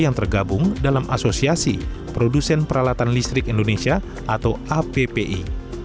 yang tergabung dalam asosiasi produsen peralatan listrik indonesia atau appi